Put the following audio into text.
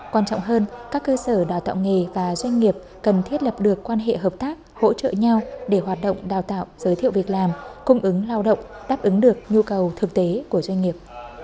quan trọng hơn các cơ sở đào tạo nghề và doanh nghiệp cần thiết lập được quan hệ hợp tác hỗ trợ nhau để hoạt động đào tạo giới thiệu việc làm cung ứng lao động đáp ứng được nhu cầu thực tế của doanh nghiệp